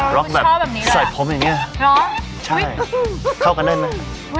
บล็อกแบบใส่ผมอย่างเนี่ยเข้ากันได้มั้ย